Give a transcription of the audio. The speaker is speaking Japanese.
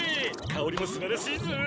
かおりもすばらしいぞ！